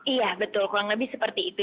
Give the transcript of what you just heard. iya betul kurang lebih seperti itu